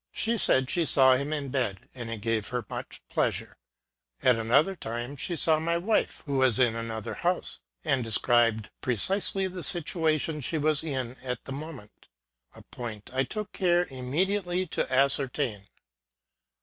She said she saw him in bed, and it gave her much pleasure. At another time she saw my wife, who was in another house, and described precisely THE PIT OF THE STOMACH. 75 the situation she was in at the moment ŌĆö a point I took care immediately to ascertain.